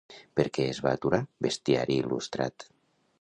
Per què es va aturar "Bestiari il·lustrat"?